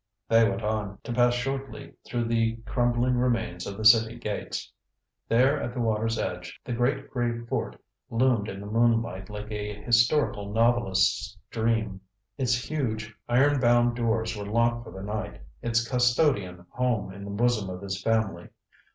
They went on, to pass shortly through the crumbling remains of the city gates. There at the water's edge the great gray fort loomed in the moonlight like a historical novelist's dream. Its huge iron bound doors were locked for the night; its custodian home in the bosom of his family.